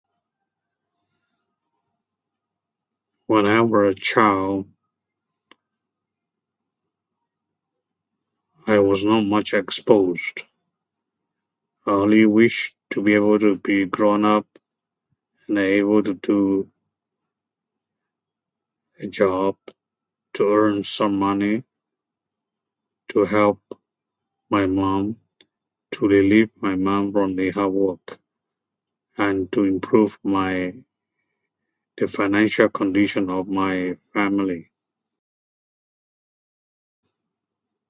When I were a child, I was not much exposed. I only wish to be able to be grown up and able to do a job, to earn some money, to help my mom, to relieve my mom from the hard work. And to improve my, the financial condition of my family.